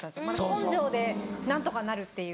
根性で何とかなるっていう。